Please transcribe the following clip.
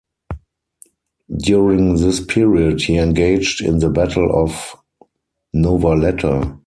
During this period he engaged in the Battle of Novaleta.